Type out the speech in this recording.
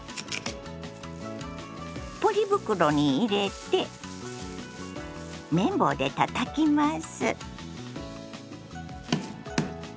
ポリ袋に入れて麺棒でたたきます。